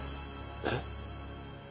えっ？